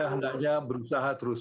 hendaknya berusaha terus